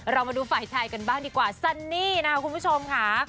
เรามาดูฝ่ายชายกันบ้างดีกว่าซันนี่นะครับคุณผู้ชมค่ะ